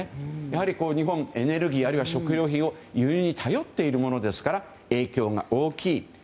やはり日本はエネルギーあるいは食料品を輸入に頼っているものですから影響が大きい。